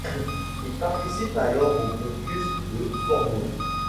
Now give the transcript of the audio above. Il participe alors au blocus de Formose.